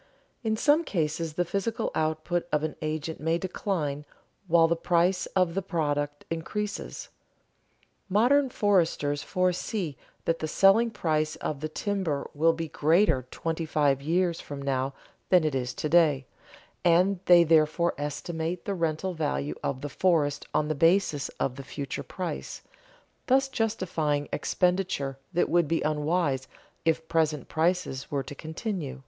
In some cases the physical output of an agent may decline while the price of the product increases. Modern foresters foresee that the selling price of the timber will be greater twenty five years from now than it is to day, and they therefore estimate the rental value of the forest on the basis of the future price, thus justifying expenditure that would be unwise if present prices were to continue.